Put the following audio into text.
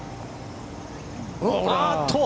あっと！